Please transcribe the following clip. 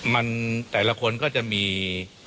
มันแต่ละคนก็จะมี